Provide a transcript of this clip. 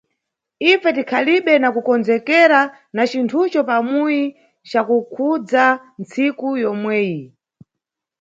Ife tikhalibe na kukondzekera na cinthuco pamuyi ca kukhudza ntsiku yomweyi.